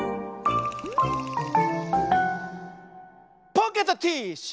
ポケットティッシュ！